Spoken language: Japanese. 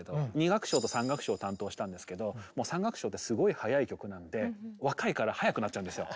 ２楽章と３楽章担当したんですけど３楽章ってすごい速い曲なんで若いから速くなっちゃうんですよ。